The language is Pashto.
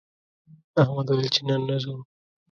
احمد ویل چې نن نه ځو